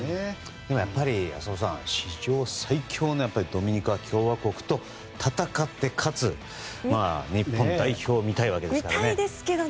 でも、やっぱり浅尾さん史上最強のドミニカ共和国と戦って勝つ日本代表を見たいわけですからね。